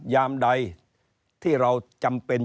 ยามใดที่เราจำเป็น